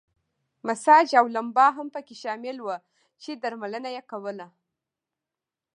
مساج او لمبا هم پکې شامل وو چې درملنه یې کوله.